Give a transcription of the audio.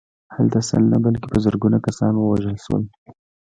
هلته سل نه بلکې په زرګونه کسان ووژل شول